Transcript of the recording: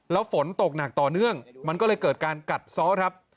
แล้วฝนตกหนักต่อเนื่องมันก็เลยเกิดการกัดซ้อครับ